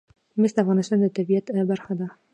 مس د افغانستان د طبیعت برخه ده.